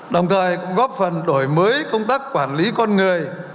đồng thời cũng góp phần đổi mới công tác quản lý con người